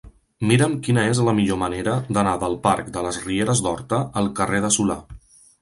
Mira'm quina és la millor manera d'anar del parc de les Rieres d'Horta al carrer de Solà.